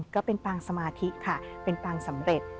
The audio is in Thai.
ก็เป็นปางสมาธิค่ะเป็นปางสำเร็จ